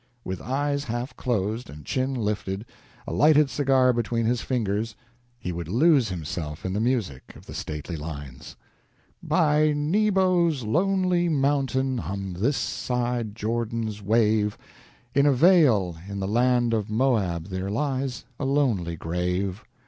With eyes half closed and chin lifted, a lighted cigar between his fingers, he would lose himself in the music of the stately lines: By Nebo's lonely mountain, On this side Jordan's wave, In a vale in the land of Moab There lies a lonely grave.